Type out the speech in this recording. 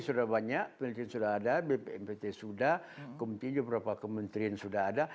sudah banyak penelitian sudah ada bpp sudah kementerian sudah ada